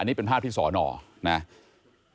อันนี้เป็นภาพที่ศนนะฮะ